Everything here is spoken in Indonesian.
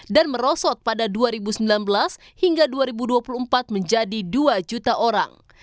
dan merosot pada dua ribu sembilan belas hingga dua ribu dua puluh empat menjadi dua juta orang